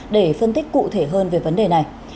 để phân tích cụ thể hơn về vấn đề này